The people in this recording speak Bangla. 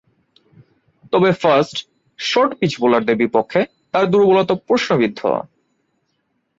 তবে, ফাস্ট, শর্ট পিচ বোলারদের বিপক্ষে তার দূর্বলতা প্রশ্নবিদ্ধ।